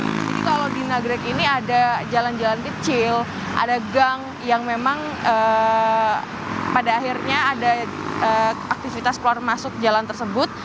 jadi kalau di nagrek ini ada jalan jalan kecil ada gang yang memang pada akhirnya ada aktivitas keluar masuk jalan tersebut